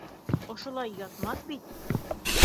Ошолай ятмаҫ бит.